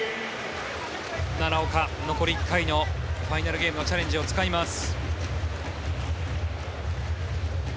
奈良岡、残り１回のファイナルゲームのチャレンジを使います。